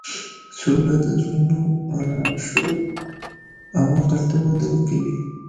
سوله د زړونو راشدو او عقل ته وده ورکوي.